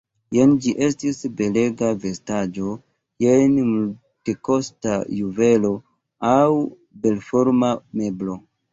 Jen ĝi estis belega vestaĵo, jen multekosta juvelo aŭ belforma meblo.